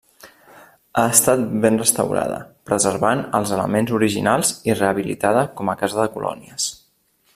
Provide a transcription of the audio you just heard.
Ha estat ben restaurada, preservant els elements originals i rehabilitada com a casa de colònies.